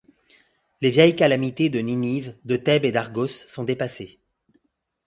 Les vieilles calamités de Ninive, de Thèbes et d'Argos sont dépassées.